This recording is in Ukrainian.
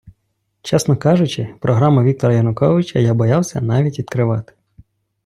Чесно кажучи, програму Віктора Януковича я боявся навіть відкривати.